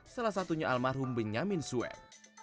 salah satunya almarhum benyamin sueb